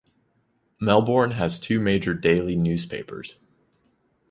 Melbourne has two major daily newspapers.